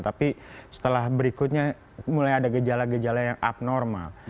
tapi setelah berikutnya mulai ada gejala gejala yang abnormal